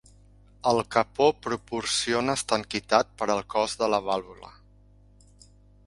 El capó proporciona estanquitat per al cos de la vàlvula.